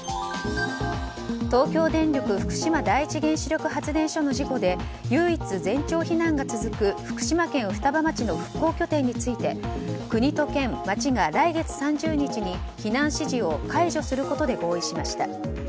東京電力福島第一原子力発電所の事故で唯一全町避難が続く福島県双葉町の復興拠点について国と県、町が来月３０日で避難指示を解除することで合意しました。